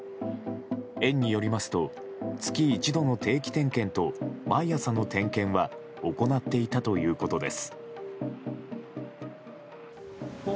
園によりますと月１度の定期点検と毎朝の点検は行っていたということです。